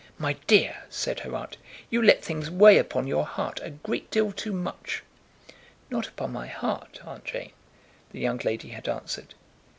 "My dear," said her aunt, "you let things weigh upon your heart a great deal too much." "Not upon my heart, Aunt Jane," the young lady had answered.